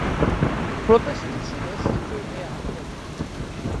প্রত্যাশিত ছিল শত্রুর এ আক্রমণ।